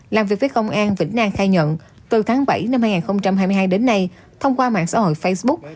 làm việc với công an vĩnh nam khai nhận từ tháng bảy năm hai nghìn hai mươi hai đến nay thông qua mạng xã hội facebook